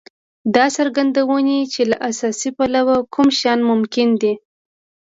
دا څرګندوي چې له سیاسي پلوه کوم شیان ممکن دي.